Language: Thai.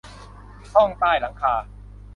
ห้องใต้หลังคา